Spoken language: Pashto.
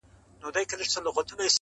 وګړي تښتي له ګاونډیانو٫